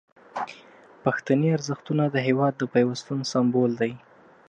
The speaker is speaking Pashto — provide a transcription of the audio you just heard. پښتني ارزښتونه د هیواد د پیوستون سمبول دي.